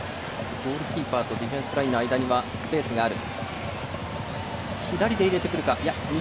ゴールキーパーとディフェンスラインの間にはスペースがある。